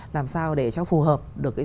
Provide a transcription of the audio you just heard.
làm sao để cho phù hợp được cái